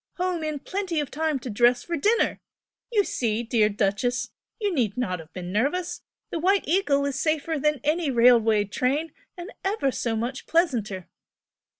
home in plenty of time to dress for dinner! You see, dear 'Duchess' you need not have been nervous, the 'White Eagle' is safer than any railway train, and ever so much pleasanter!"